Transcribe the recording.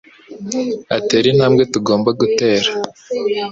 atera intambwe tugomba gutera